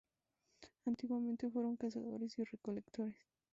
Antiguamente fueron cazadores y recolectores.